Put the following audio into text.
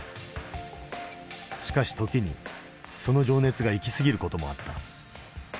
しかし時にその情熱が行き過ぎる事もあった。